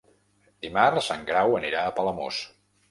Dimarts en Grau anirà a Palamós.